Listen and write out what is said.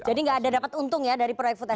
jadi nggak ada dapat untung ya dari proyek food sdm